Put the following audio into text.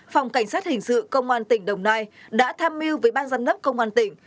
phòng cảnh sát hình sự công an tỉnh đồng nai đã tham mưu với ban giám đốc công an tỉnh